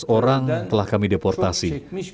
satu enam ratus orang telah kami deportasi